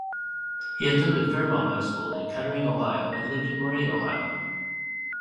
He attended Fairmont High School in Kettering, Ohio and lived in Moraine, Ohio.